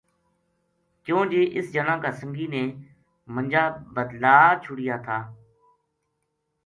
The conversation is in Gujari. کیوں جی اس جنا کا سنگی نے منجا بدلا چھوڈیا تھا